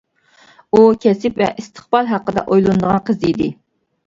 ئۇ كەسىپ ۋە ئىستىقبال ھەققىدە ئويلىنىدىغان قىز ئىدى.